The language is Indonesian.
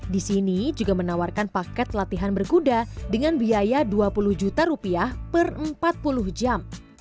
di sini juga menawarkan paket latihan berkuda dengan biaya dua puluh juta rupiah per empat puluh jam